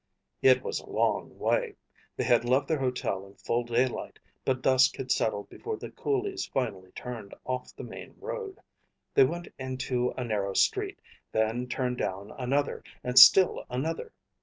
It was a long way. They had left their hotel in full daylight, but dusk had settled before the coolies finally turned off the main road. They went into a narrow street, then turned down another and still another.